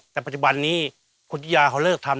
แต่ปัจจุบันนี้พวกยุทยาเขาเริ่มทำ